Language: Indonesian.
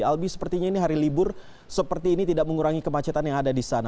albi sepertinya ini hari libur seperti ini tidak mengurangi kemacetan yang ada di sana